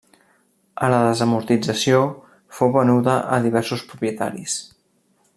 A la desamortització fou venuda a diversos propietaris.